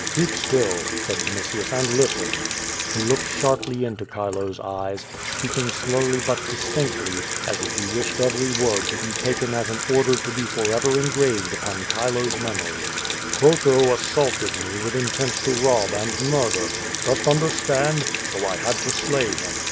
"Keep still," said Vinitius, "and listen." lie looked sharply into Chile's eyes, speaking slowly but distinctly, as if he wished every word to be taken as an order to be forever engraved upon Chilo's memory: "Croto assaulted me with intent to rob and murder. Dost 1^2 QUO VADIH, understand? So 1 had to slay him.